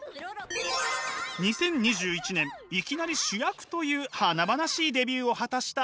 ２０２１年いきなり主役という華々しいデビューを果たした天希さん。